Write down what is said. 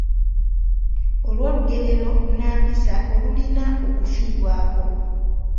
olw’olugerero nnampisa olulina okufiibwako